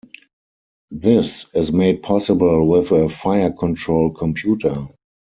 This is made possible with a fire control computer.